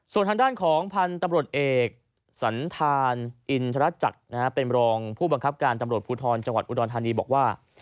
ส่วนทางด้านของพันธุ์ตำรวจเอกสันธานอินทรจักรเป็นรองผู้บังคับการตำรวจภูทรจังหวัดอุดรธานีบอกว่า